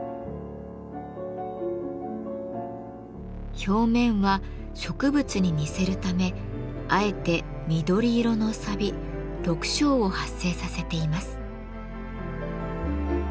表面は植物に似せるためあえて緑色のさび緑青を発生させています。